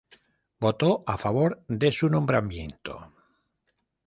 Votó a favor de su nombramiento.